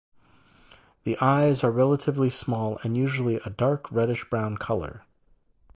The eyes are relatively small and usually a dark reddish-brown color.